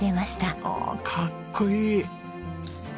ああかっこいい。